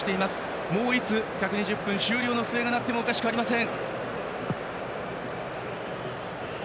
もう、いつ１２０分終了の笛が鳴ってもおかしくありません。